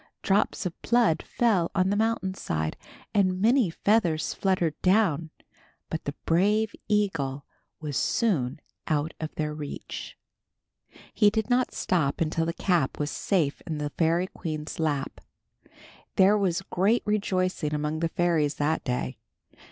Drops of blood fell on the mountain side, and many feathers fluttered down, but the brave eagle was soon out of their reach. He did not stop until the cap was safe in the fairy queen's lap. There was great rejoicing among the fairies that day.